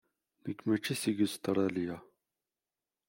Nekk mačči seg Ustṛalya.